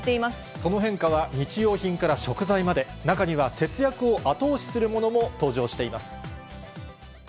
その変化は日用品から食材まで、中には節約を後押しするものも登場しています。